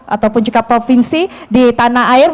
ataupun juga provinsi di tanah air